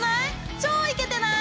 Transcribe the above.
超イケてない？